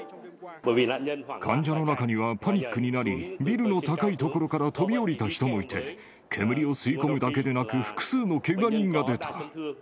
患者の中にはパニックになり、ビルの高い所から飛び降りた人もいて、煙を吸い込むだけでなく、複数のけが人が出た。